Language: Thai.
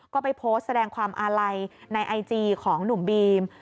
ก็ไปโพสต์แสดงความอาลัยในไอจีของหนุ่มบีม